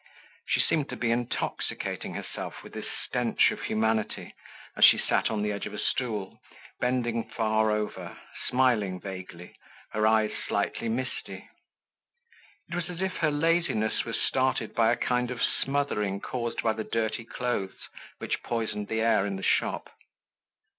She seemed to be intoxicating herself with this stench of humanity as she sat on the edge of a stool, bending far over, smiling vaguely, her eyes slightly misty. It was as if her laziness was started by a kind of smothering caused by the dirty clothes which poisoned the air in the shop.